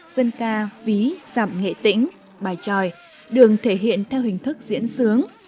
dân ca ví giảm nghệ tĩnh bài tròi đường thể hiện theo hình thức diễn sướng